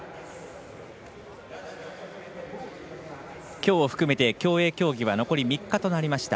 きょうを含めて競泳競技は残り３日となりました。